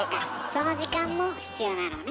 その時間も必要なのね。